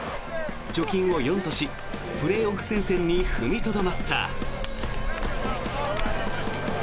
貯金を４とし、プレーオフ戦線に踏みとどまった。